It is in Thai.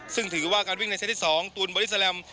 ซึ่งถือว่าการวิ่งในเซตที่๒ตูนบอดี้แลม